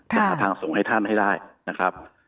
จะหาทางส่งให้ท่านให้ได้นะครับ